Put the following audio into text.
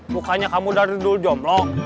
bukannya kamu udah dudul jomblo